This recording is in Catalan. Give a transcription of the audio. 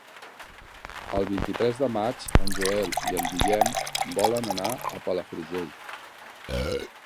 El vint-i-tres de maig en Joel i en Guillem volen anar a Palafrugell.